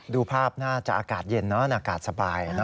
ดูภาพน่าจะอากาศเย็นเนอะอากาศสบาย